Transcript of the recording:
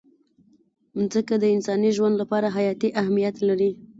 مځکه د انساني ژوند لپاره حیاتي اهمیت لري.